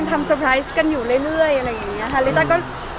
ทำสไปร์ไซส์กันอยู่เรื่อยอะไรอย่างนี้ค่ะ